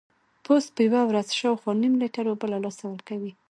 پوست په یوه ورځ شاوخوا نیم لیټر اوبه له لاسه ورکوي.